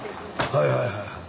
はいはいはいはい。